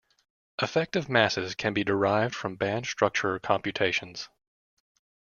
Effective masses can be derived from band structure computations.